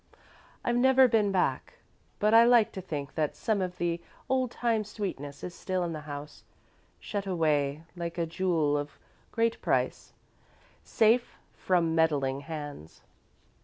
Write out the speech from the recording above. I've never been back, but I like to think that some of the old time sweetness is still in the house, shut away like a jewel of great price, safe from meddling hands."